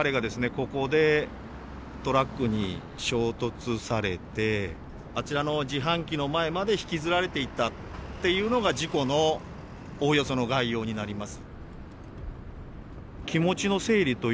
ここでトラックに衝突されてあちらの自販機の前まで引きずられていったっていうのが事故のおおよその概要になります。